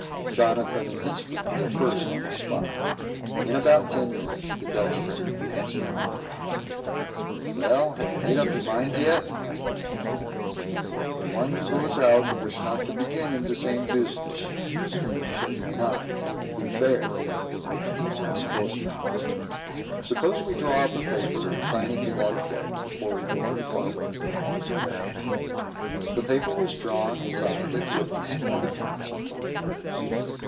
Jonathan and his friend were first on the spot. In about ten minutes, the Dutchman and his friend arrived. "Well, have you made up your mind yet?" asked the Yankee. "De one who goes out ish not to begin de same business?" "No, certainly not; it wouldn't be fair." "No, I 'spose not." "Suppose we draw up a paper, and sign it to that effect, before we go any farther." "Vell." The paper was drawn, signed, and witnessed by the friends of both parties.